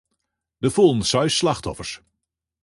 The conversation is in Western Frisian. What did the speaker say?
Der foelen seis slachtoffers.